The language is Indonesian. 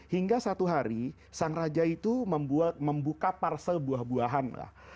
hingga satu hari sang raja itu membuka parsel buah buahan lah